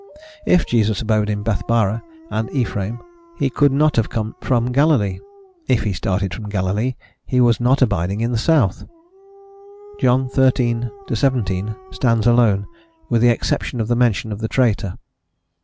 If Jesus abode in Bethabara and Ephraim, he could not have come from Galilee; if he started from Galilee, he was not abiding in the south. John xiii. xvii. stand alone, with the exception of the mention of the traitor.